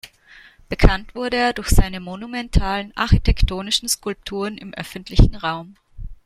Bekannt wurde er durch seine monumentalen architektonischen Skulpturen im öffentlichen Raum.